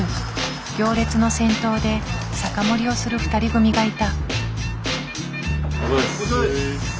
行列の先頭で酒盛りをする２人組がいた。